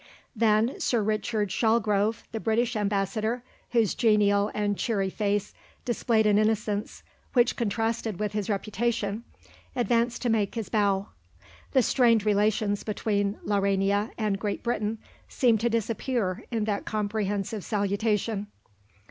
Then Sir Richard Shalgrove, the British Ambassador, whose genial and cheery face displayed an innocence which contrasted with his reputation, advanced to make his bow. The strained relations between Laurania and Great Britain seemed to disappear in that comprehensive salutation.